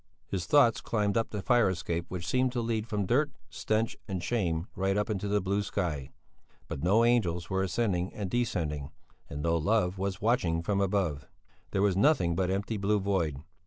His thoughts climbed up the fire escape which seemed to lead from dirt, stench, and shame right up into the blue sky; but no angels were ascending and descending, and no love was watching from above there was nothing but the empty, blue void.